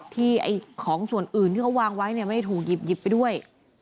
ที่ของส่วนอื่นที่เขาวางไว้ไม่ได้ถูกหยิบไปด้วย